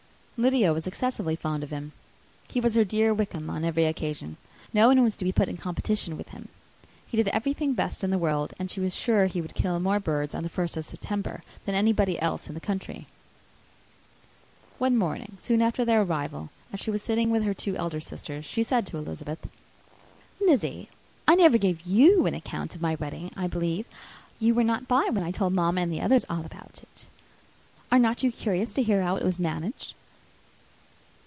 Lydia was exceedingly fond of him. He was her dear Wickham on every occasion; no one was to be put in competition with him. He did everything best in the world; and she was sure he would kill more birds on the first of September than anybody else in the country. One morning, soon after their arrival, as she was sitting with her two elder sisters, she said to Elizabeth, "Lizzy, I never gave you an account of my wedding, I believe. You were not by, when I told mamma, and the others, all about it. Are not you curious to hear how it was managed?"